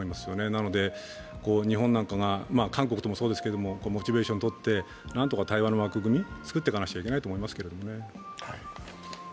なので日本なんかが韓国もそうすけれどもモチベーションをとって、何とか対話の枠組みを作っていかなきゃいけないと思いますけどね。